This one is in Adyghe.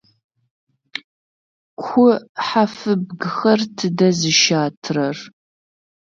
Ку хьафыбгхэр тыдэ зыщатрэр?